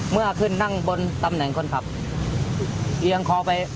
เมื่อขึ้นนั่งบนตำแหน่งคนพรรพ